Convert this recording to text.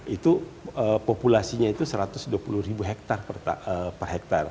itu populasinya itu satu ratus dua puluh ribu hektare per hektare